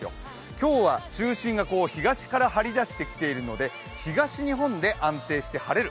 今日は中心が東から張り出してきてるので東日本で安定して晴れる。